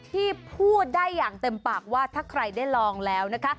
ที่พูดได้อย่างเต็มปากว่าถ้าใครได้ลองแล้วนะคะ